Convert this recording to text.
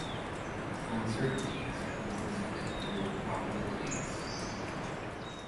Uncertainties are represented through probabilities.